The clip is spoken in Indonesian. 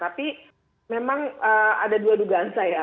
tapi memang ada dua dugaan saya